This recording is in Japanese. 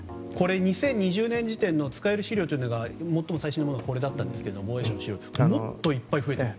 ２０２０年時点の使える資料で最も最新のものがこれだったんですがもっといっぱい増えていると。